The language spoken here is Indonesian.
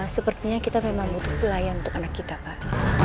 sepertinya kita memang butuh pelayan untuk anak kita pak